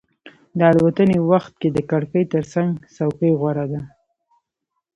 د الوتنې وخت کې د کړکۍ ترڅنګ څوکۍ غوره ده.